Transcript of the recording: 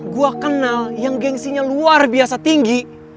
gua kenal yang gengsinya luar biasa tinggi